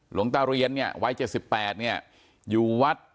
หลวงตาเรียนเนี่ยวัย๗๘เนี่ยอยู่วัด